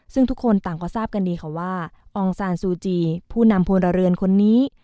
ซึ่งทุกคนต่างก็ทราบกันดีค่ะว่าอองซานซูจีผู้นำพลเรือนคนนี้